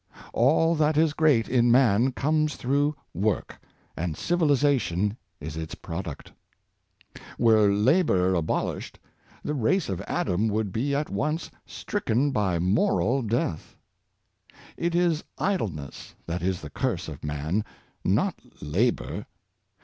All that is great in man comes through work, and civilization is its product. Were labor abol ished, the race of Adam would be at once stricken by moral death. Pliny on Rural Labor, 147 It is idleness that is the curse of man, not labor.